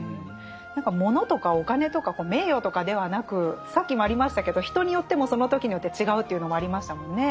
物とかお金とか名誉とかではなくさっきもありましたけど人によってもその時によって違うというのもありましたもんね。